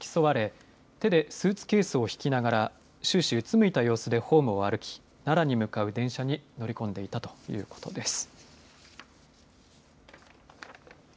昭恵さんは警護の警察官らに付き添われスーツケースを引きながら終始うつむいた様子でホームを歩き奈良に向かう電車に乗り込んでいったということです。